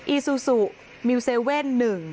อซูซูมิวเซเว่น๑